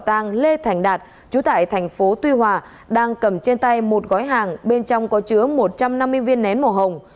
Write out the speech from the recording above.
của tàu tàng lê thành đạt trú tại tp tuy hòa đang cầm trên tay một gói hàng bên trong có chứa một trăm năm mươi viên nén màu hồng